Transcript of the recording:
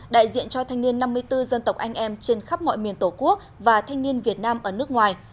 đại diện cho thanh niên năm mươi bốn dân tộc anh em trên khắp mọi miền tổ quốc và thanh niên việt nam ở nước ngoài